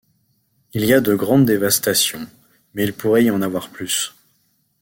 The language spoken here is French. Il y a de grandes dévastations, mais il pourrait y en avoir plus.